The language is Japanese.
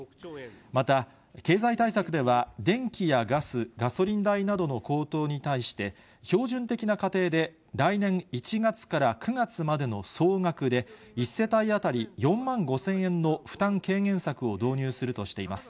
また経済対策では、電気やガス、ガソリン代などの高騰に対して、標準的な家庭で来年１月から９月までの総額で、１世帯当たり４万５０００円の負担軽減策を導入するとしています。